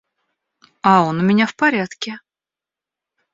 А он у меня в порядке.